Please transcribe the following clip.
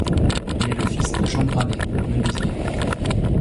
Il est le fils de Jean Granet, menuisier.